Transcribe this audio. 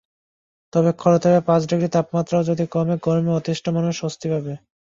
তবে খরতাপে পাঁচ ডিগ্রি তাপমাত্রাও যদি কমে, গরমে অতিষ্ঠ মানুষ স্বস্তি পাবে।